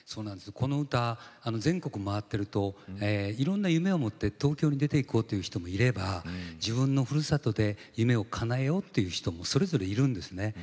この歌、全国回ってるといろんな夢を持って東京に出ていこうという人もいれば自分のふるさとで夢をかなえようという人もそれぞれいるんですね。